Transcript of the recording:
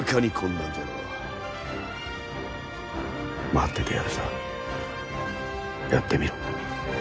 待っててやるさやってみろ。